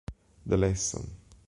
The Lesson